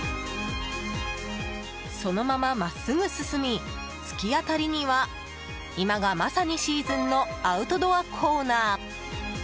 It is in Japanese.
そのまま真っすぐ進み突き当たりには今がまさにシーズンのアウトドアコーナー。